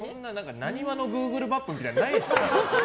なにわのグーグルマップみたいなのないですから。